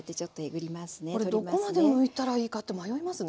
どこまでむいたらいいかって迷いますね。